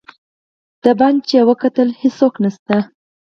بهر یې چې وکتل هېڅوک نسته.